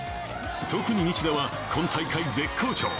特に西田は今大会絶好調。